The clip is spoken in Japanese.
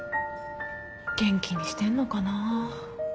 元気にしてんのかな。